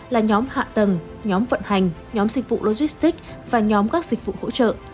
là nhóm hạ tầng nhóm vận hành nhóm dịch vụ logistics và nhóm các dịch vụ hỗ trợ